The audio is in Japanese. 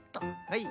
はい。